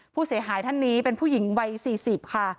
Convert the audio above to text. ผู้เสียหายท่านนี้เป็นผู้หญิงวัย๔๐ค่ะ